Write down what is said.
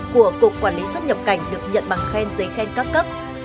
của cục quản lý xuất nhập cảnh được nhận bằng khen giấy khen các cấp